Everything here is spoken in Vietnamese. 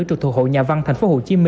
trục thuộc hội nhà văn tp hcm